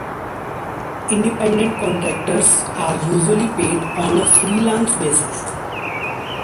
Independent contractors are usually paid on a freelance basis.